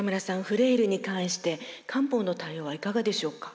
フレイルに関して漢方の対応はいかがでしょうか？